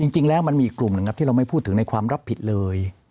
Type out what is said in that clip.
จริงแล้วมันมีอีกกลุ่มหนึ่งครับที่เราไม่พูดถึงในความรับผิดเลย